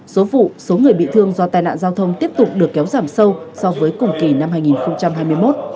số vụ số người bị thương do tai nạn giao thông tiếp tục được kéo giảm sâu so với cùng kỳ năm hai nghìn hai mươi một